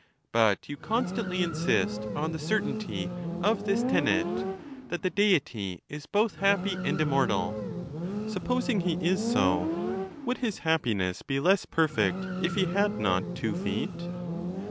But you constantly insist on the certainty of this tenet, that the Deity is both happy and immortal. Supposing he is so. would his happiness be less perfect if he had not two feet?